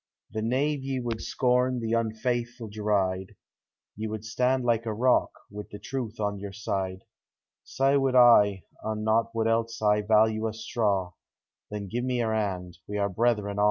The knave ye would scorn, the unfaithfu' deride; Ye would stand like a rock, wi' the truth on your side ; Sae would I, an' naught else would I value a straw : Then gi'e me your hand, — we are brethren a'.